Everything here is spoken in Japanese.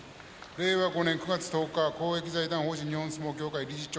令和５年９月１０日公益財団法人日本相撲協会理事長